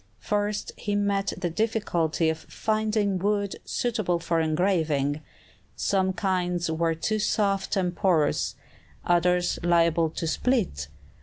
First he met the difficulty of finding wood suitable for engraving. Some kinds were too soft and porous, others liable to split.